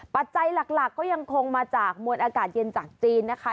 ปัจจัยหลักก็ยังคงมาจากมวลอากาศเย็นจากจีนนะคะ